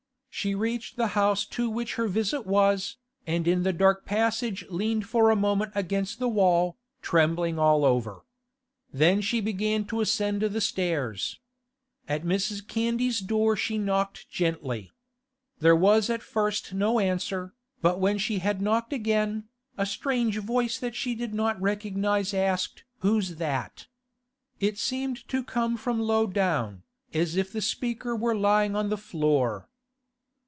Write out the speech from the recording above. She reached the house to which her visit was, and in the dark passage leaned for a moment against the wall, trembling all over. Then she began to ascend the stairs. At Mrs. Candy's door she knocked gently. There was at first no answer, but when she had knocked again, a strange voice that she did not recognise asked 'Who's that?' It seemed to come from low down, as if the speaker were lying on the floor.